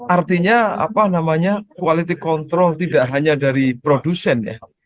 artinya quality control tidak hanya dari produsen ya